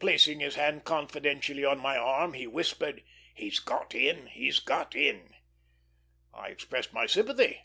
Placing his hand confidentially on my arm, he whispered: "He's got in; he's got in." I expressed my sympathy.